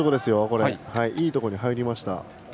いいところに入りました。